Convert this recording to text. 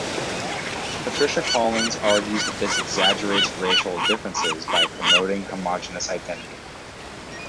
Patricia Collins argues that this exaggerates racial differences by promoting homogeneous identity.